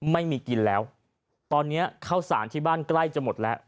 ไม่มีกินแล้วตอนนี้ข้าวสารที่บ้านใกล้จะหมดแล้ว